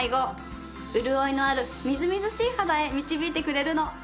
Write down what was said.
潤いのあるみずみずしい肌へ導いてくれるの。